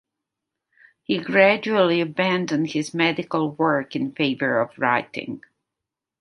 He gradually abandoned his medical work in favour of writing.